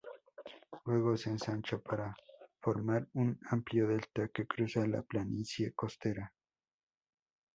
Luego, se ensancha para formar un amplio delta que cruza la planicie costera.